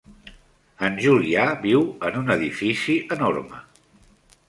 En Julià viu en un edifici enorme.